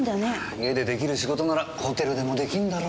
家でできる仕事ならホテルでもできんだろ。